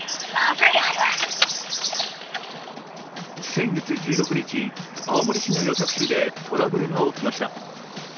先月１６日、青森市内のタクシーでトラブルが起きました。